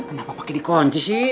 kenapa pakai dikunci sih